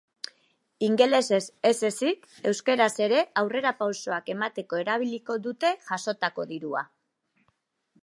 Ingelesez ez ezik euskaraz ere aurrera pausoak emateko erabiliko dute jasotako dirua.